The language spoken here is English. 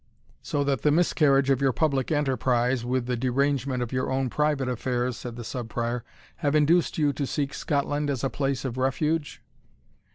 "So that the miscarriage of your public enterprise, with the derangement of your own private affairs," said the Sub Prior, "have induced you to seek Scotland as a place of refuge?"